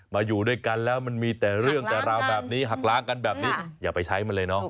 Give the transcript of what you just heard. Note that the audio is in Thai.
อยู่ด้วยกันแล้วมันมีแต่เรื่องแต่ราวแบบนี้หักล้างกันแบบนี้อย่าไปใช้มันเลยเนาะ